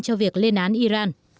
cho việc lên án iran